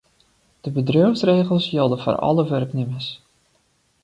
De bedriuwsregels jilde foar alle wurknimmers.